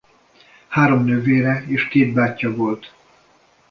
Három nővére és két bátyja volt.